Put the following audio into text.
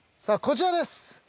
さあこちらです。